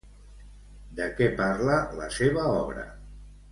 De què parla la seva obra?